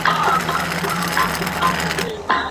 ایا بهرني سوداګر وچه مېوه صادروي؟